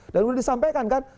dan udah disampaikan kan